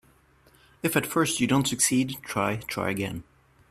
If at first you don't succeed, try, try again.